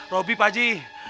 robi pak ji